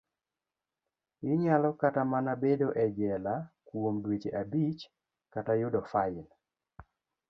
Inyalo kata mana bedo e jela kuom dweche abich, kata yudo fain.